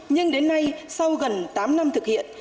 nhưng đến nay sau gần tám năm thực hiện